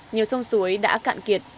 nhiều sông suối đã cạn kiệt